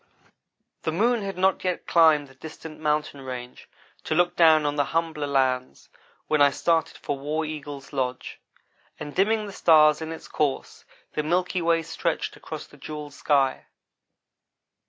The moon had not yet climbed the distant mountain range to look down on the humbler lands when I started for War Eagle's lodge; and dimming the stars in its course, the milky way stretched across the jewelled sky.